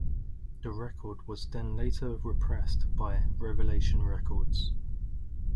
The record was then later repressed by Revelation Records.